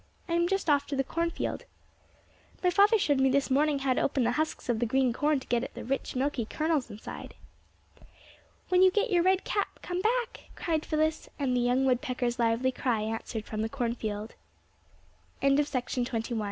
"I am just off to the corn field. My father showed me this morning how to open the husks of the green corn to get at the rich, milky kernels inside." "When you get your red cap, come back," cried Phyllis, and the young woodpecker's lively cry answered from the corn field. A LEGEND OF THE NORTHLAND